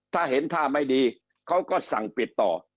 ถ้าเห็นท่าไม่ดีเขาก็สั่งปิดต่อ